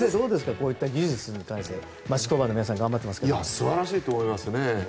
こういった技術に関して素晴らしいと思いますね。